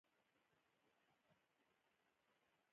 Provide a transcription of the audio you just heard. د بایسکل سټاپونه د مسافرو خوندي تګ لپاره ضروري دي.